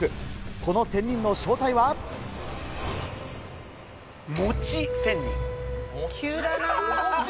この仙人の正体餅仙人。